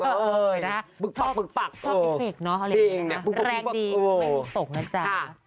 ปึกปักโอ้โฮจริงนะปึกปักโอ้โฮจริงนะแรงดีไม่มีตกนะจ๊ะ